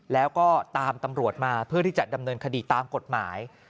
แล้วก็ตามตำรวจมาเพื่อที่จะดำเนินคดีตามกฎหมาย